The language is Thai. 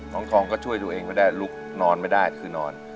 ทองก็ช่วยตัวเองไม่ได้ลุกนอนไม่ได้คือนอน